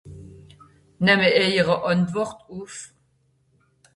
Nemme èiere Àntwort ùff.